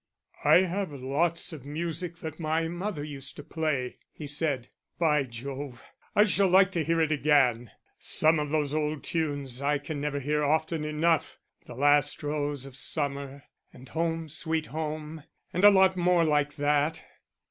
"I have lots of music that my mother used to play," he said. "By Jove, I shall like to hear it again some of those old tunes I can never hear often enough The Last Rose of Summer, and Home, Sweet Home, and a lot more like that."